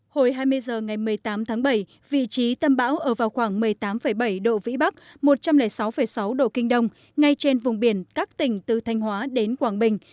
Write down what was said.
hồi hai mươi h ngày một mươi tám tháng bảy vị trí tâm bão ở vào khoảng một mươi tám bảy độ vĩ bắc một trăm linh sáu sáu độ kinh đông ngay trên vùng biển các tỉnh từ thanh hóa đến quảng bình